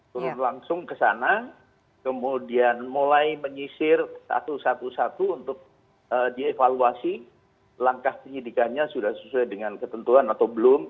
turun langsung ke sana kemudian mulai menyisir satu satu untuk dievaluasi langkah penyidikannya sudah sesuai dengan ketentuan atau belum